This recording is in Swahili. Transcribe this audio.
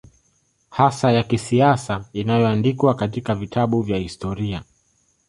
hasa ya kisiasa inayoandikwa katika vitabu vya historia